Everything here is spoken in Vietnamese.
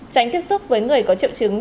tránh tiếp xúc với người có triệu chứng